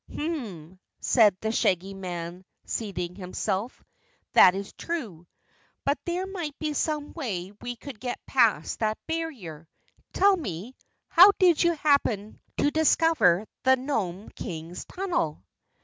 "Hmmmmm," said the Shaggy Man seating himself, "that is true. But there might be some way we could get past that barrier. Tell me, how did you happen to discover the Nome King's tunnel?"